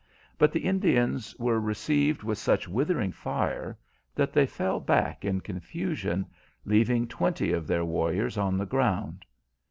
But the Indians were received with such withering fire that they fell back in confusion, leaving twenty of their warriors on the ground.